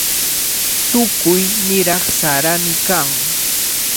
Tukuy niraq sarami kan.